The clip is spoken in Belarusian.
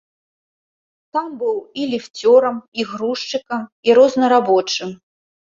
Там быў і ліфцёрам, і грузчыкам, і рознарабочым.